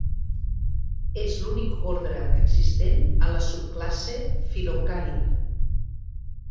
És l'únic ordre existent a la subclasse Fil·locàrida.